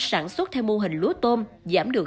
sản xuất theo mô hình lúa tôm giảm được